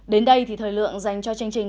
đến đây thì thời lượng dành cho chương trình